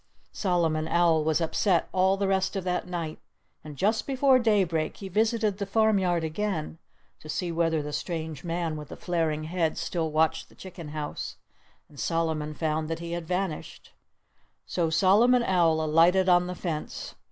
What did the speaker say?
Solomon Owl was upset all the rest of that night. And just before daybreak he visited the farmyard again, to see whether the strange man with the flaring head still watched the chicken house. And Solomon found that he had vanished. So Solomon Owl alighted on the fence.